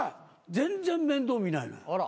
全然面倒見ないのよ。